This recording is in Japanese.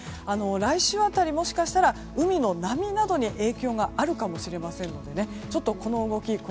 来週辺り、もしかしたら海の波などに影響があるかもしれませんのでちょっとこの動き